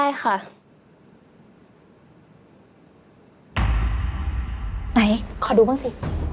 ไหนขอดูบ้างสิ